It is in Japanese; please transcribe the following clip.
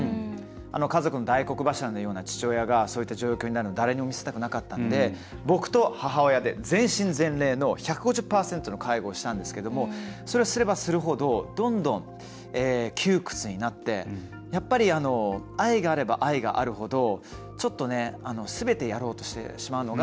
家族の大黒柱のような父親がそういった状況になるの誰にも見せたくなかったので僕と母親で全身全霊の１５０％の介護をしたんですけどもそれをすればするほどどんどん窮屈になってやっぱり愛があれば愛があるほどすべてやろうとしてしまうのが。